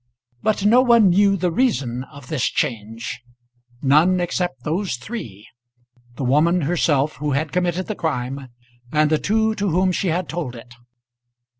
But no one knew the reason of this change; none except those three, the woman herself who had committed the crime and the two to whom she had told it.